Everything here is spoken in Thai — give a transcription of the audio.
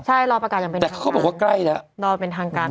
ใช่รอประกาศอย่างเป็นทางการรอเป็นทางการแต่เขาบอกว่าใกล้แล้ว